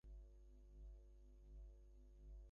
ওসমান সাহেব অবাক হয়ে তাকিয়ে রইলেন।